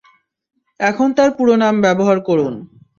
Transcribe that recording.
এখন তার পুরো নাম ব্যবহার করুন।